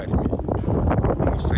kami mengembangkan pasukan